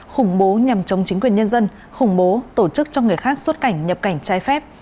khủng bố nhằm chống chính quyền nhân dân khủng bố tổ chức cho người khác xuất cảnh nhập cảnh trái phép